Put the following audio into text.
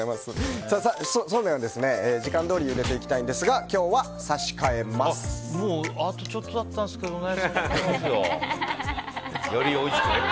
そうめんは時間どおりゆでていきたいんですがあとちょっとだったんですけどね。